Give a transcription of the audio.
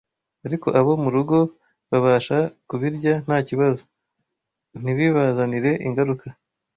ariko abo mu rugo babasha kubirya nta kibazo, ntibibazanire ingaruka